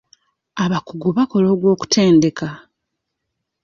Abakugu bakola ogw'okutendeka.